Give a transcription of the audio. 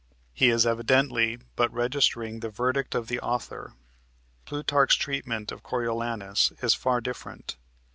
he is evidently but registering the verdict of the author. Plutarch's treatment of Coriolanus is far different.